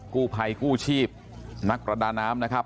กู้ภัยกู้ชีพนักประดาน้ำนะครับ